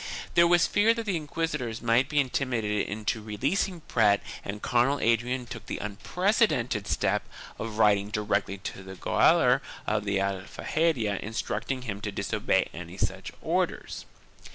There was fear that the inquisitors might be intimidated into releasing Prat and Cardinal Adrian took the unprecedented step of writing directly to the gaoler of the Aljaferia instructing him to disobey any such orders.